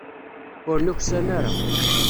Ur nuksan ara.